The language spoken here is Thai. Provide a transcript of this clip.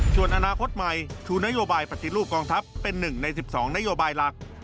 ส่วนอนาคตใหม่ชูนโยบายปฏิรูปกองทัพเป็น๑ใน๑๒นโยบายหลัก